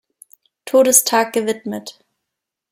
Todestag gewidmet.